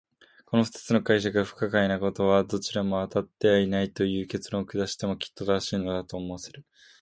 この二つの解釈が不確かなことは、どちらもあたってはいないという結論を下してもきっと正しいのだ、と思わせる。